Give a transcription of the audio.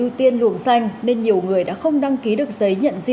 thẻ ưu tiên luồng xanh nên nhiều người đã không đăng ký được giấy nhận diện